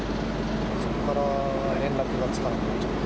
そこから連絡がつかなくなっちゃって。